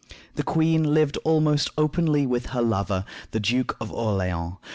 The queen lived almost openly with her lover, the Duke of Orleans.